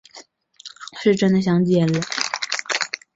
保健员是医护人员的一种。